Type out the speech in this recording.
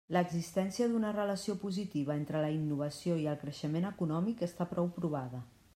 L'existència d'una relació positiva entre la innovació i el creixement econòmic està prou provada.